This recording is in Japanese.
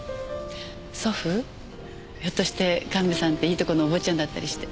ひょっとして神戸さんっていいとこのお坊ちゃんだったりして。